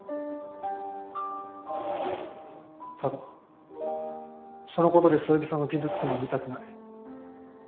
ただその事でそよぎさんが傷つくのは見たくない。